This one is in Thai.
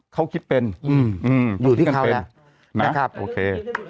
เขาคิดเป็นอยู่ที่เขาแล้วนะคิดกันเป็นนะครับโอเค